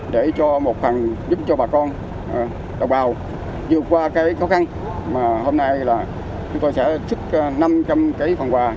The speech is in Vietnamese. để cho một phần giúp cho bà con đồng bào vượt qua cái khó khăn mà hôm nay là chúng tôi sẽ sức năm trăm linh đồng